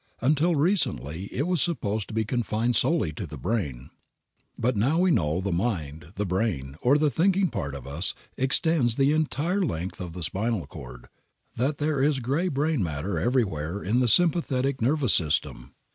Until recently it was supposed to be confined solely to the brain. But now we know the mind, the brain, or the thinking part of us, extends the entire length of the spinal cord, that there is gray brain matter everywhere in the sympathetic nervous system.